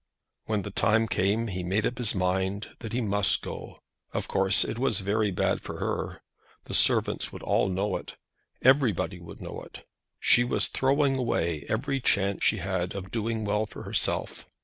When the time came he made up his mind that he must go. Of course it was very bad for her. The servants would all know it. Everybody would know it. She was throwing away every chance she had of doing well for herself.